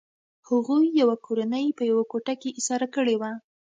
هغوی یوه کورنۍ په یوه کوټه کې ایساره کړې وه